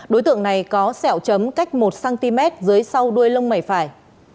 đối tượng này có sẹo chấm cách một cm dưới sau đuôi lông mẩy phải